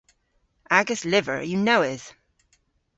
Agas lyver yw nowydh.